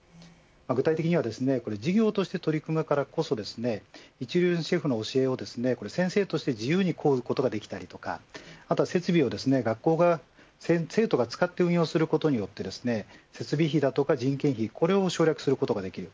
具体的には授業として取り組むからこそ一流シェフの教えを先生として自由にこうことができたり設備を学校が生徒が使って運用することによって設備費や人件費を省略することができる。